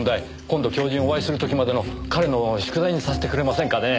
今度教授にお会いする時までの彼の宿題にさせてくれませんかね。